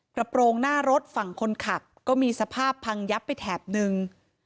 กระโปรงหน้ารถฝั่งคนขับก็มีสภาพพังยับไปแถบนึง